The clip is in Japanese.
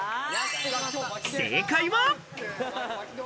正解は。